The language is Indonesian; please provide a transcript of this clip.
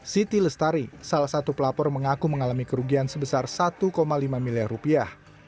siti lestari salah satu pelapor mengaku mengalami kerugian sebesar satu lima miliar rupiah